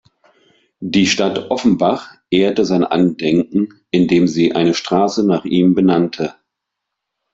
Die Stadt Offenbach ehrte sein Andenken, indem sie eine Straße nach ihm benannte.